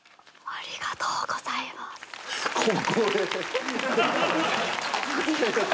ありがとうございます。